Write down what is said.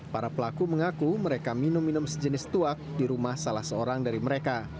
para pelaku mengaku mereka minum minum sejenis tuak di rumah salah seorang dari mereka